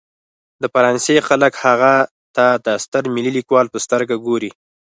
د فرانسې خلک هغه ته د ستر ملي لیکوال په سترګه ګوري.